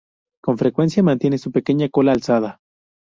Con frecuencia mantiene su pequeña cola alzada.